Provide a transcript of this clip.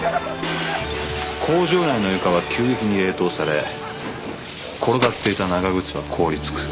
工場内の床は急激に冷凍され転がっていた長靴は凍りつく。